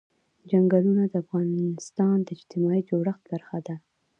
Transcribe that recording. چنګلونه د افغانستان د اجتماعي جوړښت برخه ده.